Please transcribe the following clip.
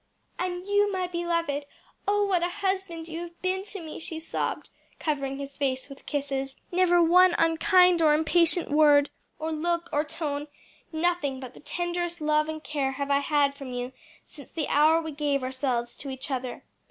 "And you, my beloved, oh what a husband you have been to me!" she sobbed, covering his face with kisses; "never one unkind or impatient word, or look, or tone, nothing but the tenderest love and care have I had from you since the hour we gave ourselves to each other.